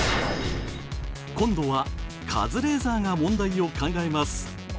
今度はカズレーザーが問題を考えます。